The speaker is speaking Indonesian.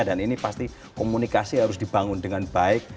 dan ini pasti komunikasi harus dibangun dengan baik